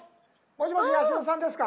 もしもし八代さんですか？